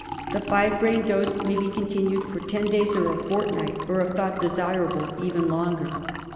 The five grain dose may be continued for ten days or a fortnight, or, if thought desirable, even longer.